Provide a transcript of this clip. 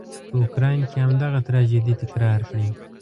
په اوکراین کې همدغه تراژيدي تکرار کړي.